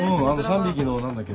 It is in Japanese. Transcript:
３匹の何だっけ？